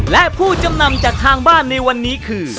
และผู้จำนำจากทางบ้านในวันนี้คือ